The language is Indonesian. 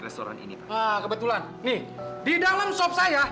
terima kasih sudah mencoba ya